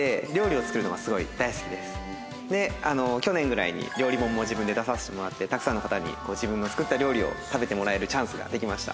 で去年ぐらいに料理本も自分で出させてもらってたくさんの方に自分の作った料理を食べてもらえるチャンスができました。